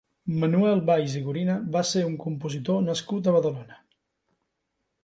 Manuel Valls i Gorina va ser un compositor nascut a Badalona.